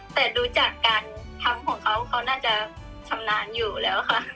แต่ดูจากการทำของเขาเขาน่าจะชำนาญอยู่แล้วค่ะ